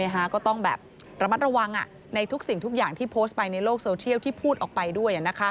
ก็ต้องแบบระมัดระวังในทุกสิ่งทุกอย่างที่โพสต์ไปในโลกโซเทียลที่พูดออกไปด้วย